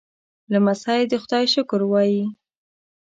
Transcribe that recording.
لمسی د خدای شکر وايي.